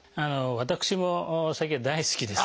私もお酒は大好きです。